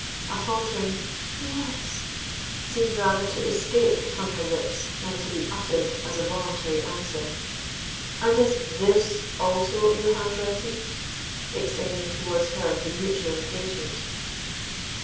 A faltering "Yes" seemed rather to escape from her lips than to be uttered as a voluntary answer. "And is this also your handwriting?" extending towards her the mutual engagement.